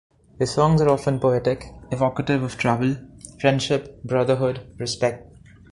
His songs are often poetic, evocative of travel, friendship, brotherhood, respect.